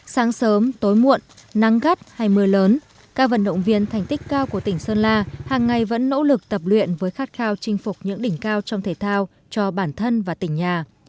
sáng sớm tối muộn nắng gắt hay mưa lớn các vận động viên thành tích cao của tỉnh sơn la hàng ngày vẫn nỗ lực tập luyện với khát khao chinh phục những đỉnh cao trong thể thao cho bản thân và tỉnh nhà